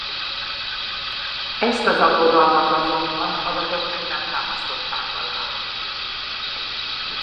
Ezt az aggodalmat azonban adatok még nem támasztották alá.